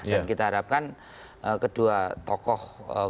dan kita harapkan kedua tokoh